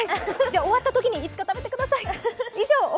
終わったときに、いつか食べてください。